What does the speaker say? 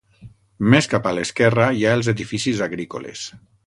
Més cap a l'esquerra hi ha els edificis agrícoles.